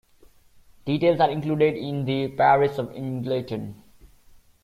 Details are included in the parish of Ingleton.